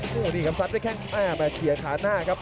คุณผู้ดีกับสัตว์ได้แค่แอบนะครับเถียงขาหน้าครับ